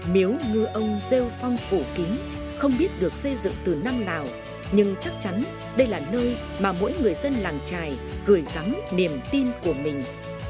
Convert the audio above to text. miếu ngư ông rêu phong phổ kính không biết được xây dựng từ năm nào nhưng chắc chắn đây là nơi mà mỗi người dân làng trài gửi gắm niềm tin của mình